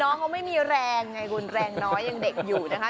น้องก็ไม่มีแรงไงกูลแรงน้อยอย่างเด็กอยู่นะคะ